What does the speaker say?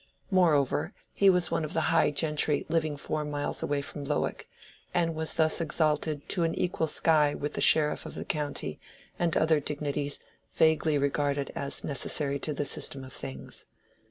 Moreover, he was one of the high gentry living four miles away from Lowick, and was thus exalted to an equal sky with the sheriff of the county and other dignities vaguely regarded as necessary to the system of things.